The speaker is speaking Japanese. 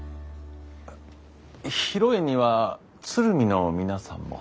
披露宴には鶴見の皆さんも？